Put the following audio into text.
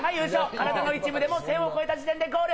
体の一部でも線を越えた時点でゴール。